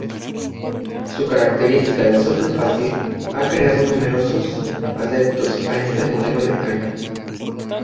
Su característica de soplo fácil ha creado numerosos adeptos a este modelo de caña.